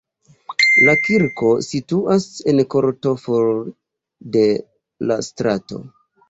La kirko situas en korto for de la strato.